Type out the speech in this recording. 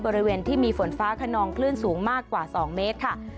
บริเวณที่มีฝนฟ้าขนองคลื่นสูงมากกว่า๒เมตรค่ะ